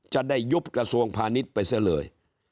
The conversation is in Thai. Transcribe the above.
จะได้ยุบกระทรวงพาณิชย์ไปซะเลย